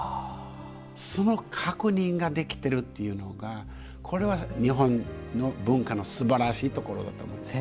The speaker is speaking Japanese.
その確認ができているというのがこれは日本の文化のすばらしいところだと思います。